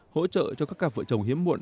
hỗ trợ cho các cặp vợ chồng hiếm muộn